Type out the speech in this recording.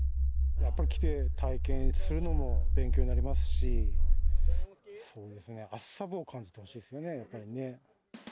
やっぱり来て、体験するのも勉強になりますし、そうですね、厚沢部を感じてほしいですよね、やっぱりね。